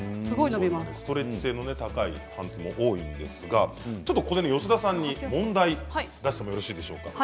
ストレッチ性の高いパンツも多いんですが吉田さんに問題を出してもよろしいでしょうか。